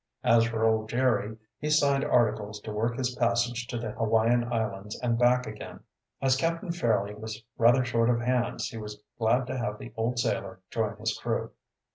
As for old Jerry, he signed articles to work his passage to the Hawaiian Islands and back again. As Captain Fairleigh was rather short of hands he was glad to have the old sailor join his crew.